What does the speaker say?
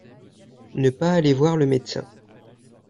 Ne pas aller voir le médecin.